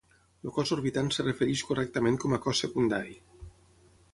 El cos orbitant es refereix correctament com a cos secundari.